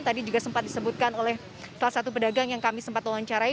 tadi juga sempat disebutkan oleh salah satu pedagang yang kami sempat wawancarai